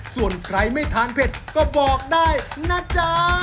ส่วนใครไม่ทานเผ็ดก็บอกได้นะจ๊ะ